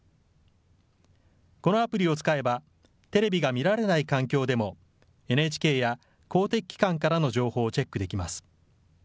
このアプリを使えば、テレビが見られない環境でも、ＮＨＫや公的機関からの情報をチェックできます。